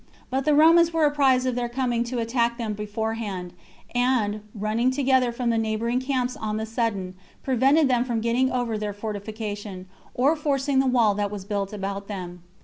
But the Romans were apprized of their coming to attack them beforehand, and, running together from the neighboring camps on the sudden, prevented them from getting over their fortification, or forcing the wall that was built about them.